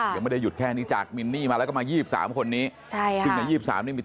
ถึงอันนี้ไม่ได้จากมินนี่มาแล้วก็มา๒๓คนนี้